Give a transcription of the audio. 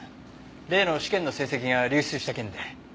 例の試験の成績が流出した件で。